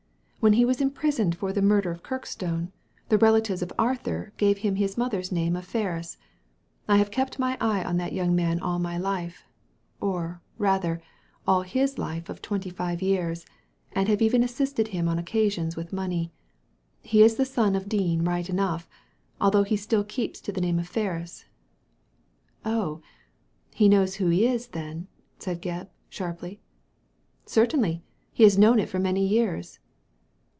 When he was imprisoned for the murder of Kirkstone, the relatives of Arthur ISO Digitized by Google THE REVELATION OF MR. PRAIN 151 gave him his mother's name of Ferris. I have kept my eye on that young man all my life — or, rather, all his life of twenty five years, and have even assisted him on occasions with money. He is the son of Dean right enough, although he still keeps to the name of Ferris." •* Oh ! he knows who he is, then ?" said Gebb, sharply. " Certainly I He has known it for many years."